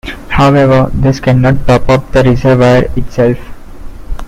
However this cannot top up the reservoir itself.